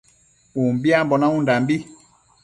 Umbiambo naundambi